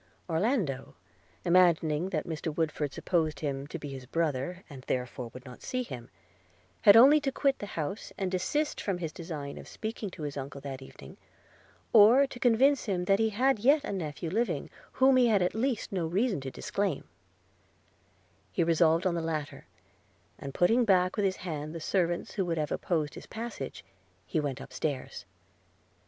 Orlando, imagining that Mr. Woodford supposed him to be his brother, and therefore would not see him, had only to quit the house, and desist from his design of speaking to his uncle that evening; or to convince him that he had yet a nephew living, whom he had at least no reason to disclaim: he resolved on the latter, and putting back with his hand the servants who would have opposed his passage, he went up stairs.